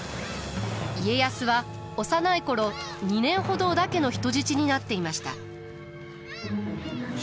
家康は幼い頃２年ほど織田家の人質になっていました。